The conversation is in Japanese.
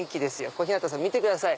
小日向さん見てください。